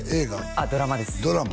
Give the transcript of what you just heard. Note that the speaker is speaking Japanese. あっドラマですドラマ？